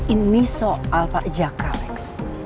ini soal pak jaka alex